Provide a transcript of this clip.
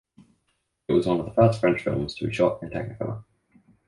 It was one of the first French films to be shot in Technicolor.